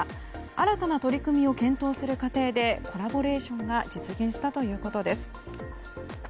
新たな取り組みを検討する過程でコラボレーションが実現したということです。